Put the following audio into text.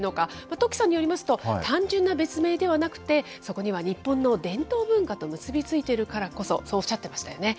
斗鬼さんによりますと、単純な別名ではなくて、そこには日本の伝統文化と結び付いているからこそ、そうおっしゃってましたよね。